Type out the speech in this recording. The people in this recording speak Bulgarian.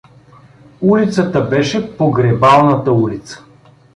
Улицата беше „Погребалната улица“.